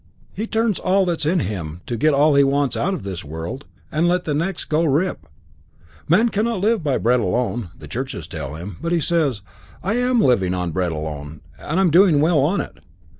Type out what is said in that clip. He turns all that's in him to get all he wants out of this world and let the next go rip. Man cannot live by bread alone, the churches tell him; but he says, "I am living on bread alone, and doing well on it."